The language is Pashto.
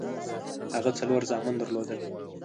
هغه څلور زامن درلودل.